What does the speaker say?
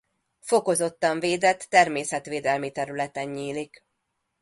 Fokozottan védett természetvédelmi területen nyílik.